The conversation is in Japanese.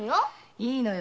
いいのよ。